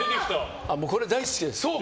これ大好きです。